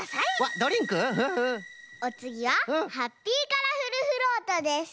おつぎはハッピーカラフルフロートです。